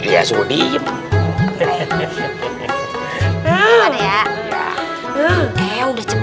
ya sudah diem